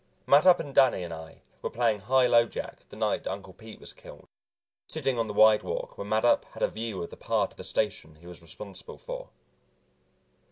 Mattup and Danny and I were playing high low jack the night Uncle Pete was killed, sitting on the widewalk where Mattup had a view of the part of the station he was responsible for.